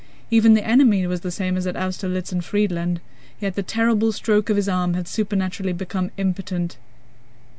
Even the enemy was the same as at Austerlitz and Friedland—yet the terrible stroke of his arm had supernaturally become impotent.